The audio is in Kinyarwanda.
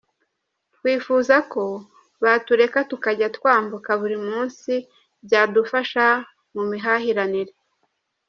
Twifuza ko batureka tukajya twambuka buri munsi byadufasha mu mihahiranire.